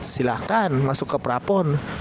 silahkan masuk ke pra pon